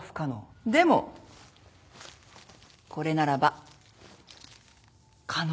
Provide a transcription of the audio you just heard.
でもこれならば可能。